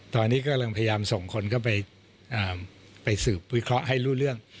ตอนนี้กำลังพยายามส่งคนเข้าไปสืบวิเคราะห์ให้รู้เรื่อง